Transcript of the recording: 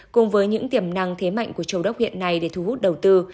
cùng với những tiềm năng thế mạnh của châu đốc hiện nay để thu hút đầu tư